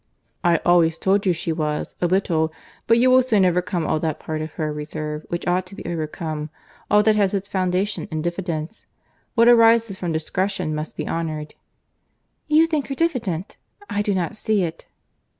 "I always told you she was—a little; but you will soon overcome all that part of her reserve which ought to be overcome, all that has its foundation in diffidence. What arises from discretion must be honoured." "You think her diffident. I do not see it."